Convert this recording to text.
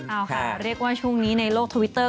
เอาค่ะเรียกว่าช่วงนี้ในโลกทวิตเตอร์